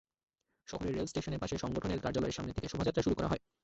শহরের রেলস্টেশনের পাশে সংগঠনের কার্যালয়ের সামনে থেকে শোভাযাত্রা শুরু করা হয়।